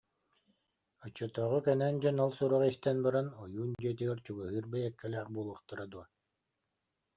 Оччотооҕу кэнэн дьон ол сураҕы истэн баран, ойуун дьиэтигэр чугаһыыр бэйэккэлээх буолуохтара дуо